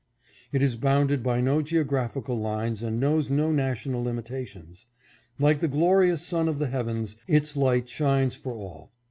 " It is bounded by no geographical lines and knows no national limitations. Like the glorious sun of the heav ens, its light shines for all.